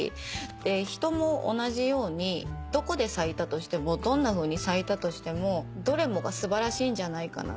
で人も同じようにどこで咲いたとしてもどんなふうに咲いたとしてもどれもが素晴らしいんじゃないかな。